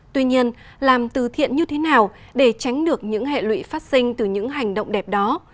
tuy nhiên làm từ thiện như thế nào để tránh được những hệ lụy phát sinh từ những hành động đẹp đó